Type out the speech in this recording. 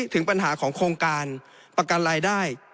ถึงปัญหาของโครงการประกันรายได้